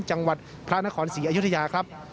จังหวัดพระนครศรีอยุธยาครับ